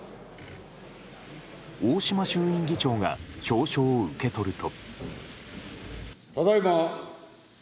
大島衆院議長が証書を受け取ると。